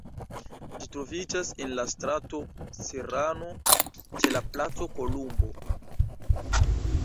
Ĝi troviĝas en la strato Serrano, ĉe la Placo Kolumbo.